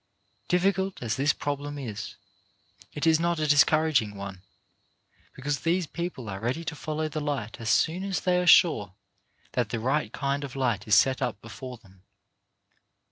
Difficult as this problem is, it WHAT YOU OUGHT TO DO 195 is not a discouraging one, because these people are ready to follow the light as soon as they are sure that the right kind of light is set up before them.